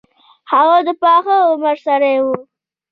هغه د پاخه عمر سړی وو.